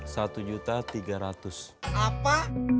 satu juta tiga ratus apa